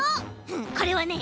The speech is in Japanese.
これはね